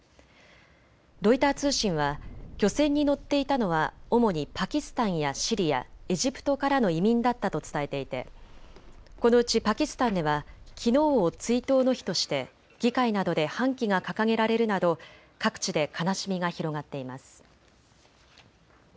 ロイター通信は漁船に乗っていたのは主にパキスタンやシリア、エジプトからの移民だったと伝えていてこのうちパキスタンではきのうを追悼の日として議会などで半旗が掲げられるなど各地で悲しみが広がっています。